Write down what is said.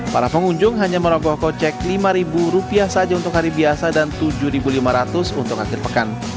para pengunjung hanya merokok kocek lima ribu rupiah saja untuk hari biasa dan tujuh ribu lima ratus untuk akhir pekan